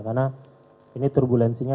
karena ini turbulensinya